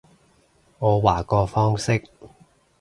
我話個方式